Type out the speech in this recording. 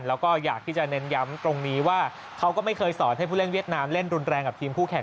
แล้วก็อยากที่จะเน้นย้ำตรงนี้ว่าเขาก็ไม่เคยสอนให้ผู้เล่นเวียดนามเล่นรุนแรงกับทีมคู่แข่ง